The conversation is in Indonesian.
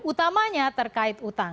utamanya terkait utang